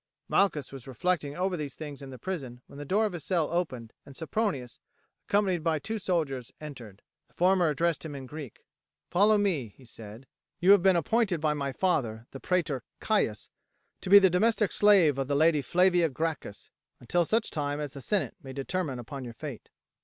Malchus was reflecting over these things in the prison, when the door of his cell opened and Sempronius, accompanied by two soldiers, entered. The former addressed him in Greek. "Follow me," he said. "You have been appointed by my father, the praetor Caius, to be the domestic slave of the lady Flavia Gracchus, until such time as the senate may determine upon your fate."